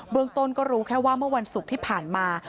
เมืองต้นก็รู้แค่ว่าเมื่อวันศุกร์ที่ผ่านมา